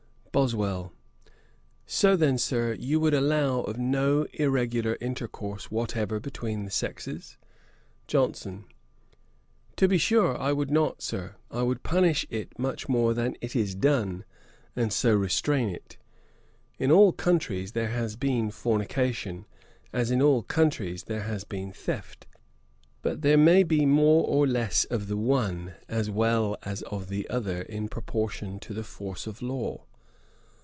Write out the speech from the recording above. BOSWELL. 'So then, Sir, you would allow of no irregular intercourse whatever between the sexes?' JOHNSON. 'To be sure I would not, Sir. I would punish it much more than it is done, and so restrain it. In all countries there has been fornication, as in all countries there has been theft; but there may be more or less of the one, as well as of the other, in proportion to the force of law.